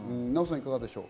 いかがでしょう？